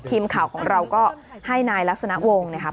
ทีมข่าวของเราก็ให้นายลักษณะวงศ์นะครับ